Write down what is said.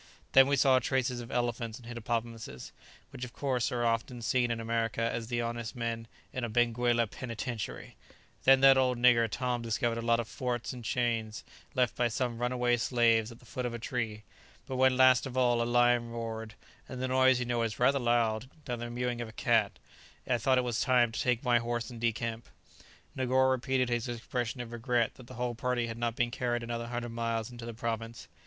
Then we saw traces of elephants and hippopotamuses, which of course are as often seen in America as an honest man in a Benguela penitentiary; then that old nigger Tom discovered a lot of forks and chains left by some runaway slaves at the foot of a tree; but when, last of all, a lion roared, and the noise, you know, is rather louder than the mewing of a cat, I thought it was time to take my horse and decamp." Negoro repeated his expression of regret that the whole party had not been carried another hundred miles into the province.